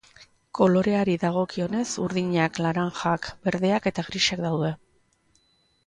Koloreari dagokionez, urdinak, laranjak, berdeak eta grisak daude.